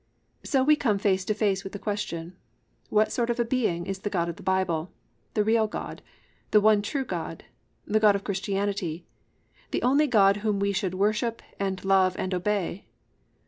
So we come face to face with the question, What sort of a Being is the God of the Bible, the real God, the one true God, the God of Christianity, the only God Whom we should worship and love and obey?